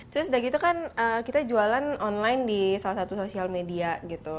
terus udah gitu kan kita jualan online di salah satu social media gitu